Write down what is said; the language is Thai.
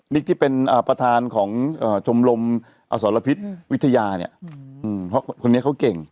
นิกที่เป็นประธานของชมรมอสรพิษวิทยาเนี่ย